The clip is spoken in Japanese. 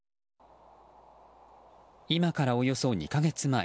今からおよそ２か月前。